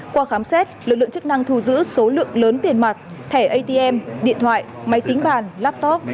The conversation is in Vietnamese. qua khám xét lực lượng chức năng thu giữ số lượng lớn tiền mặt thẻ atm điện thoại máy tính bàn laptop